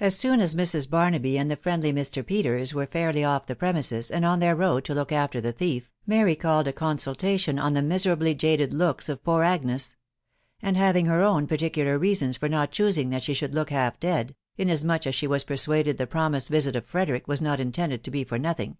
As soon as Mrs. Barnaby and the friendly lb. fairly off the premises, and on their road to look afar a* thief, Mary called a consultation on the miserably jaded Joss of poor Agnes ; and having her own particular wjsaoiai for bk choosing that she should look half dead .... inasmuch at a* was persuaded the promised visit of Frederick was to he for nothing